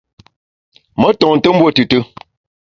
Me ntonte mbuo tùtù.